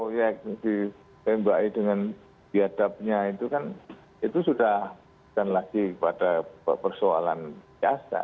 yang dipebak dengan biadabnya itu kan itu sudah kan lagi pada persoalan biasa